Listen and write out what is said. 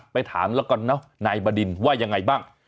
ถามแล้วกันเนอะนายบดินว่ายังไงบ้าง